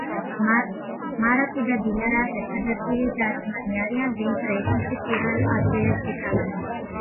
მარატი და დინარა ერთადერთი და-ძმანი არიან, ვინც რეიტინგში პირველ ადგილებს იკავებდნენ.